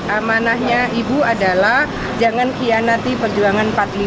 amanahnya ibu adalah jangan kianati perjuangan empat puluh lima